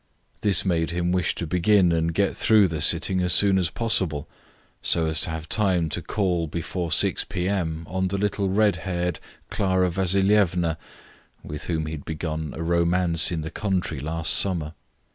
This made him wish to begin and get through the sitting as soon as possible, so as to have time to call before six p.m. on the little red haired Clara Vasilievna, with whom he had begun a romance in the country last summer.